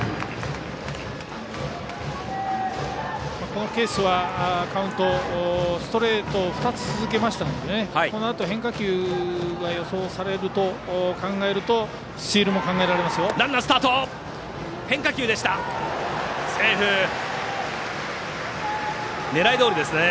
このケースは、カウントストレートを２つ続けましたのでこのあと変化球が予想されると考えるとスチールも考えられますね。